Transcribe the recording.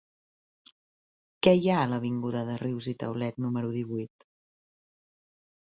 Què hi ha a l'avinguda de Rius i Taulet número divuit?